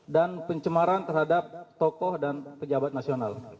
dan pencemaran terhadap tokoh dan pejabat nasional